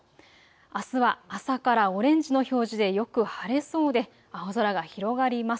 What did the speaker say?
あすは朝からオレンジの表示でよく晴れそうで青空が広がります。